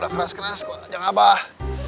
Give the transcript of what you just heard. udah keras keras kok ajang abah